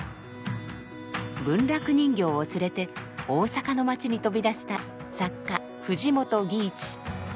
文楽人形を連れて大阪の街に飛び出した作家藤本義一。